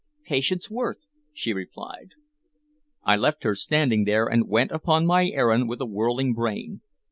"Patience Worth," she replied. I left her standing there, and went upon my errand with a whirling brain.